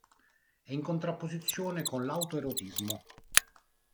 È in contrapposizione con l'autoerotismo.